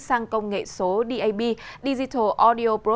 sang công nghệ số dap